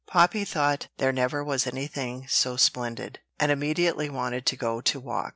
Poppy thought there never was any thing so splendid, and immediately wanted to go to walk.